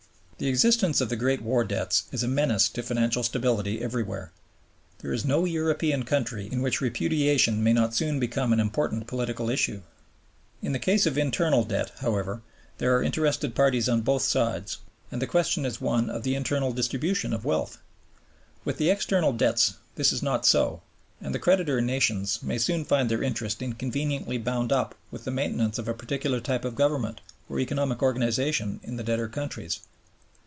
The existence of the great war debts is a menace to financial stability everywhere. There is no European country in which repudiation may not soon become an important political issue. In the case of internal debt, however, there are interested parties on both sides, and the question is one of the internal distribution of wealth. With external debts this is not so, and the creditor nations may soon find their interest inconveniently bound up with the maintenance of a particular type of government or economic organization in the debtor countries.